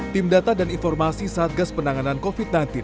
tim data dan informasi satgas penanganan covid sembilan belas